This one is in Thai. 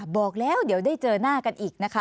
บอกแล้วเดี๋ยวได้เจอหน้ากันอีกนะคะ